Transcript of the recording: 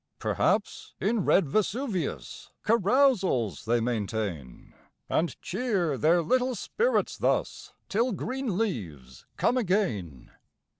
Perhaps, in red Vesuvius Carousals they maintain ; And cheer their little spirits thus, Till green leaves come again.